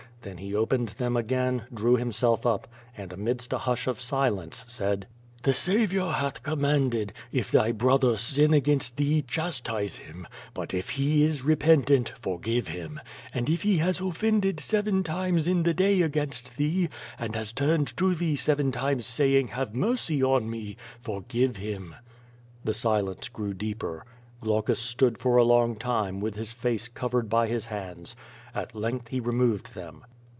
Then he opened them again, drew himself up and, amidst a hush of silence, said: "The Saviour hath commanded, if thy brother sin against thee, chastise him; but if he is repentant, forgive him, and if he has offended seven times in the day against thee, and has turned to thee seven times, saying, *Have mercy on me,' for give him." The silence grew deeper. Glaucus stood for a long time, with his face covered by his hands. At length he removed them.